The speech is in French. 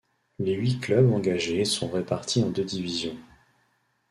Les huit clubs engagés sont répartis en deux divisions.